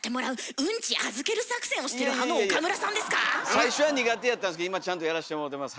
最初は苦手やったんですけど今ちゃんとやらしてもろてます。